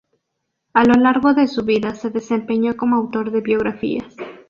A lo largo de su vida se desempeñó como autor de biografías.